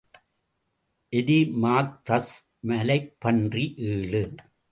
எரிமாக்தஸ் மலைப்பன்றி ஏழு.